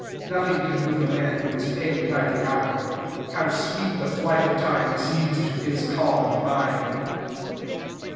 Nothing can move a man who is paid by the hour. How sweet the flight of time seems to his calm mind!